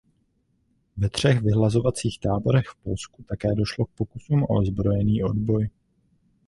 Ve třech vyhlazovacích táborech v Polsku také došlo k pokusům o ozbrojený odboj.